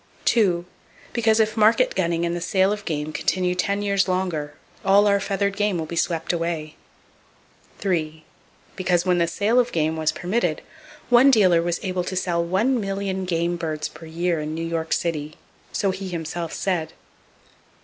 —Because if market gunning and the sale of game continue ten years longer, all our feathered game will be swept away. [Page 311] —Because when the sale of game was permitted one dealer was able to sell 1,000,000 game birds per year in New York City, so he himself said.